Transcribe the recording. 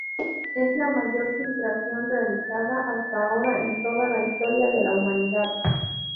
Es la mayor filtración realizada hasta ahora en toda la historia de la humanidad.